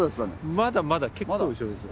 まだまだ結構後ろです。